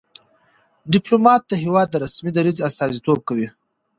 ډيپلومات د هېواد د رسمي دریځ استازیتوب کوي.